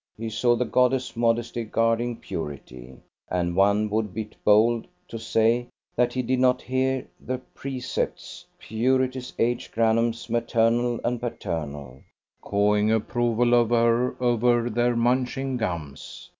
He saw the goddess Modesty guarding Purity; and one would be bold to say that he did not hear the Precepts, Purity's aged grannams maternal and paternal, cawing approval of her over their munching gums.